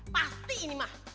pasti ini mah